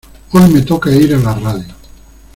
Hoy me toca ir a la radio